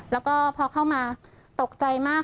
แล้วก็พอเข้ามาตกใจมาก